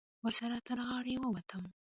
ورسره تر غاړې ووتم.